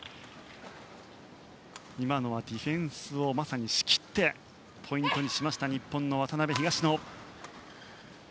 今のはディフェンスをまさにしきってポイントにしました日本の渡辺、東野。